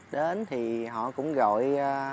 đến thì họ cũng gọi